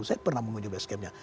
saya pernah menuju base camp nya